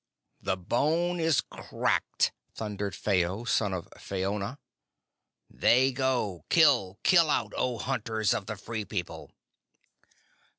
"The bone is cracked!" thundered Phao, son of Phaona. "They go! Kill, kill out, O hunters of the Free People!"